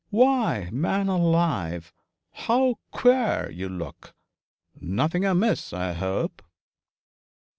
Why, man alive, how queer you look! Nothing amiss, I hope?'